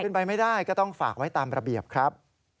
เป็นไปไม่ได้ก็ต้องฝากไว้ตามระเบียบครับ